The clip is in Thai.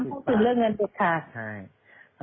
ห้ามพูดถึงเรื่องเงินจุดขาด